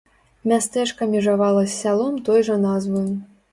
Мястэчка межавала з сялом той жа назвы.